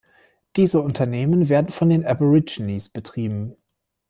Diese Unternehmen werden von den Aborigines betrieben.